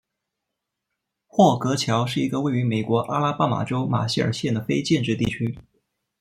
霍格乔是一个位于美国阿拉巴马州马歇尔县的非建制地区。